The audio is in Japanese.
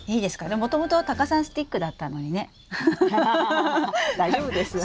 でももともとはタカさんスティックだったのにね。大丈夫ですよ。